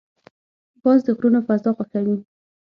باز د غرونو فضا خوښوي